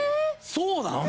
そうなん？